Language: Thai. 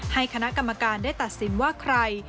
ให้คณะกรรมการได้ตัดสินว่าใคร